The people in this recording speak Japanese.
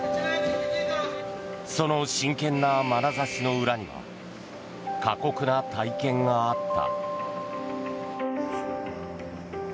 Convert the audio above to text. その真剣なまなざしの裏には過酷な体験があった。